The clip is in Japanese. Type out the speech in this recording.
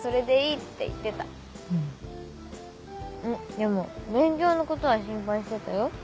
でも勉強のことは心配してたよ。